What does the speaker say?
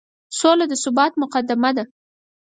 سوله د ثبات مقدمه ده.